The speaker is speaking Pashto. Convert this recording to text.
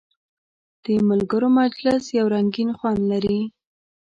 د ملګرو مجلس یو رنګین خوند لري.